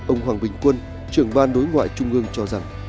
ông hoàng bình quân trưởng ban đối ngoại trung ương cho rằng